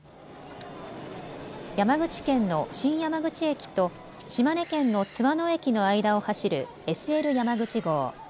山口県の新山口駅と島根県の津和野駅の間を走るＳＬやまぐち号。